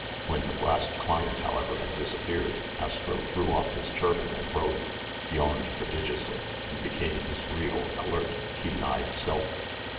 When the last client, however, had disappeared, Astro threw off his turban and robe, yawned prodigiously, and became his real, alert, keen eyed self.